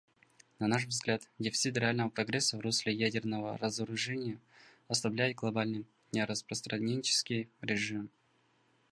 На наш взгляд, дефицит реального прогресса в русле ядерного разоружения ослабляет глобальный нераспространенческий режим.